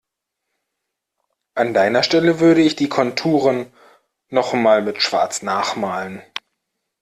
An deiner Stelle würde ich die Konturen noch mal mit Schwarz nachmalen.